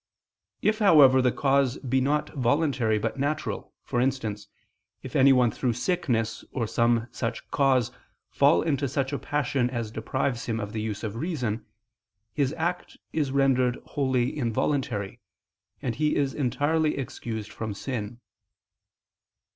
If, however, the cause be not voluntary but natural, for instance, if anyone through sickness or some such cause fall into such a passion as deprives him of the use of reason, his act is rendered wholly involuntary, and he is entirely excused from sin.